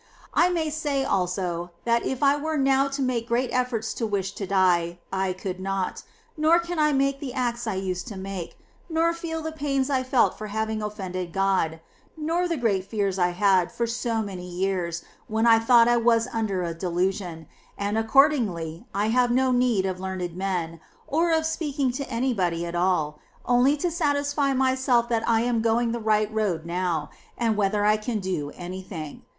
I may say, also, that if I were now to make great efforts to wish to die, I could not, nor can I make the acts I used to make, nor feel the pains I felt for having ofPended God, nor the great fears I had for so many years when I thought I was under a delusion : and accordingly I have no need of learned men, or of speaking to any body at all, only to satisfy myself that I am going the right road now, and whether I can do any thing.